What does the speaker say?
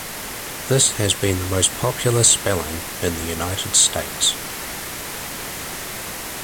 This has been the most popular spelling in the United States.